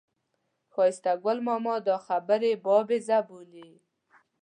ښایسته ګل ماما دا خبرې بابیزه بولي.